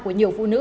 của nhiều phụ nữ